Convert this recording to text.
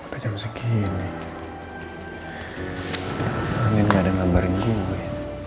pada jam segini andin gak ada ngambarin gue